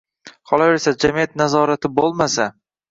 Qolaversa jamiyat nazorati bo‘lmasa